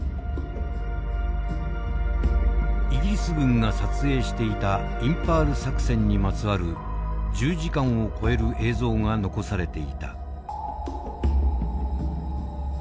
イギリス軍が撮影していたインパール作戦にまつわる１０時間を超える映像が残されていた。